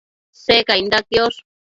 Secainda quiosh